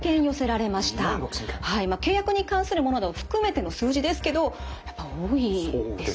契約に関するものなど含めての数字ですけどやっぱ多いですよね。